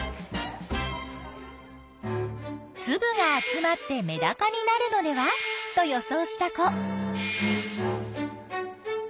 つぶが集まってメダカになるのではと予想した子。